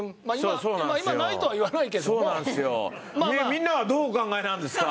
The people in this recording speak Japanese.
みんなはどうお考えなんですか？